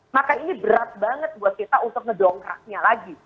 maka ini berat banget buat kita untuk ngedongkraknya lagi